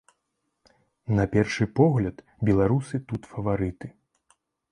На першы погляд, беларусы тут фаварыты.